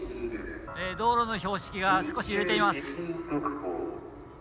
道路の標識が少し揺れています。